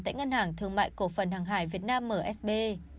tại ngân hàng thương mại cổ phần hàng hải việt nam msb